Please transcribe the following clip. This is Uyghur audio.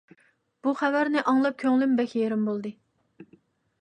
بۇ خەۋەرنى ئاڭلاپ كۆڭلۈم بەك يېرىم بولدى.